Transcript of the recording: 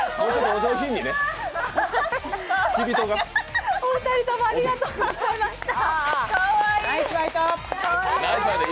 お二人ともありがとうございました。